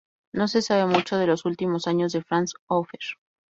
No se sabe mucho de los últimos años de Franz Hofer.